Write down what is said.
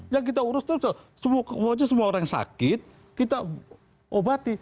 yang kita urus itu sudah semua orang yang sakit kita obati